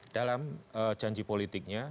dalam janji politiknya